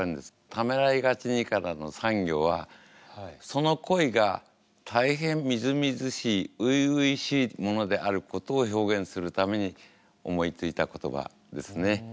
「ためらいがちに」からの３行はその恋が大変みずみずしい初々しいものであることを表現するために思いついた言葉ですね。